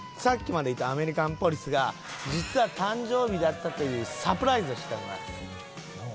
さっきまでいたアメリカンポリスが実は誕生日だったというサプライズを仕掛けます。